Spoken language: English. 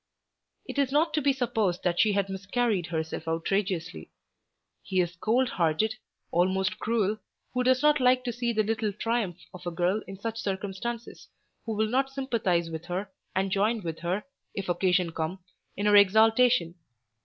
It is not to be supposed that she had miscarried herself outrageously. He is cold hearted, almost cruel, who does not like to see the little triumph of a girl in such circumstances, who will not sympathise with her, and join with her, if occasion come, in her exaltation.